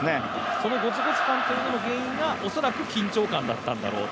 そのゴツゴツ感というものの原因が恐らく緊張感だったんだろうと。